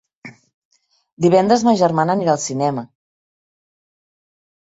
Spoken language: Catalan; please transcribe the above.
Divendres ma germana anirà al cinema.